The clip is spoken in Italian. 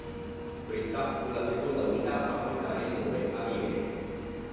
Questa fu la seconda unità a portare il nome "Aviere".